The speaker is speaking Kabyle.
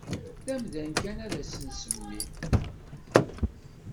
D amdan kan ad s-nsemmi.